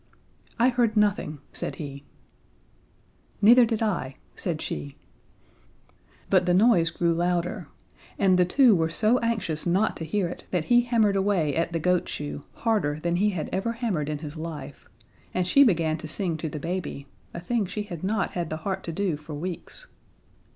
"I heard nothing," said he. "Neither did I," said she. But the noise grew louder and the two were so anxious not to hear it that he hammered away at the goat shoe harder than he had ever hammered in his life, and she began to sing to the baby a thing she had not had the heart to do for weeks.